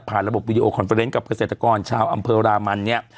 ระบบวิดีโอคอนเฟอร์เนนกับเกษตรกรชาวอำเภอรามันเนี่ย